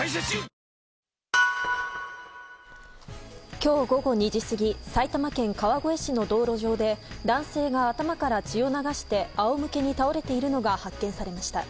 今日午後２時過ぎ埼玉県川越市の道路上で男性が頭から血を流して仰向けに倒れているのが発見されました。